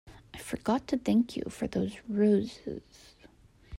I forgot to thank you for those roses.